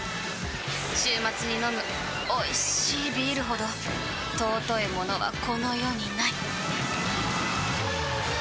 週末に飲むおいしいビールほど尊いものはこの世にない！